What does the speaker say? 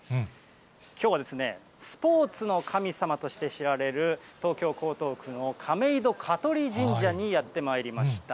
きょうはスポーツの神様として知られる、東京・江東区の亀戸香取神社にやってまいりました。